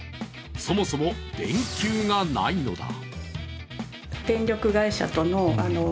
そもそも電球がないのだ。